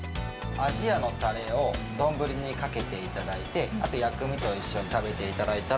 鯵家のたれを丼にかけていただいて、あと薬味と一緒に食べていただいたら。